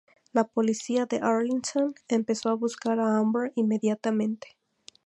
La policía de Arlington empezó a buscar a Amber inmediatamente.